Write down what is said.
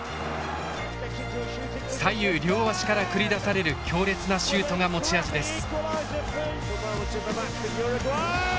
左右両足から繰り出される強烈なシュートが持ち味です。